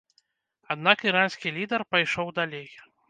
Аднак іранскі лідэр пайшоў далей.